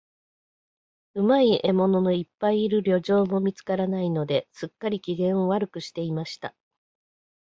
うまい獲物のいっぱいいる猟場も見つからないので、すっかり、機嫌を悪くしていました。